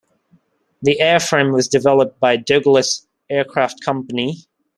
The airframe was developed by Douglas Aircraft Company.